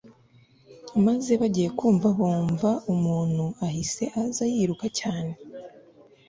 maze bagiye kumva bumva umuntu ahise az yiruka cyane